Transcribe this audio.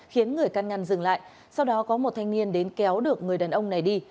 khiến người căn ngăn dừng lại sau đó có một thanh niên đến kéo được người đàn ông này đi